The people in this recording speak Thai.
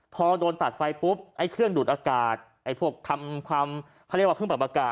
พอโดนตัดไฟปุ๊บไอ้เครื่องดูดอากาศไอ้พวกทำความเขาเรียกว่าเครื่องปรับอากาศ